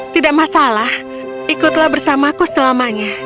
tidak masalah ikutlah bersamaku selamanya